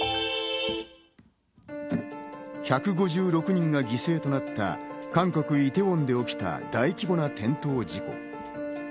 １５６人が犠牲となった韓国・イテウォンで起きた大規模な転倒事故。